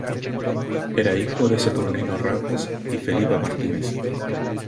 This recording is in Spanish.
Era hijo de Saturnino Ramos y Felipa Martínez.